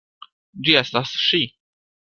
Ĝi estas ŝi!